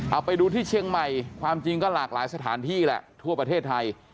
เอาไปดูที่เชียงใหม่ความจริงก็หลากหลายสถานที่แหละทั่วประเทศไทย